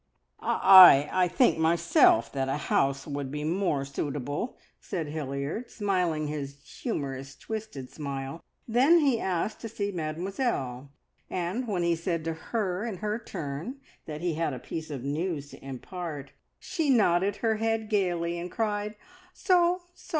"I I think myself that a house would be more suitable!" said Hilliard, smiling his humorous twisted smile; then he asked to see Mademoiselle, and when he said to her in her turn that he had a piece of news to impart, she nodded her head gaily, and cried, "So, so!